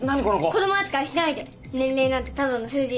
子供扱いしないで年齢なんてただの数字。